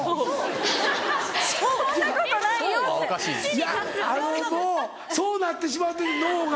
いやあのもうそうなってしまってんねん脳が。